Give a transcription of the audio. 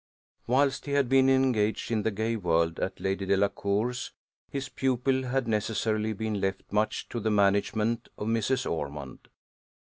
Whilst he had been engaged in the gay world at Lady Delacour's, his pupil had necessarily been left much to the management of Mrs. Ormond.